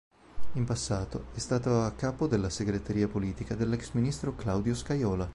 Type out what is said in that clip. In passato è stato a capo della segreteria politica dell'ex ministro Claudio Scajola.